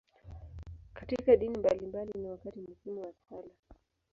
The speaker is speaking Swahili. Katika dini mbalimbali, ni wakati muhimu wa sala.